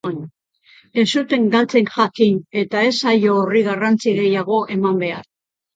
Ez zuten galtzen jakin eta ez zaio horri garrantzi gehiago eman behar.